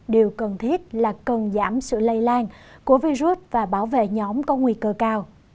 điều cần thiết là cần giảm sự lây lan của virus và bảo vệ nhóm có nguy cơ cao